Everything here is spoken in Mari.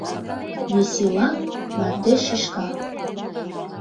Веселаҥ мардеж шӱшка